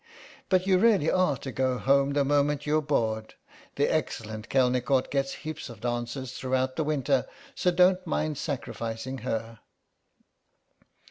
But you really are to go home the moment you're bored; the excellent Kelnicort gets heaps of dances throughout the winter, so don't mind sacrificing her."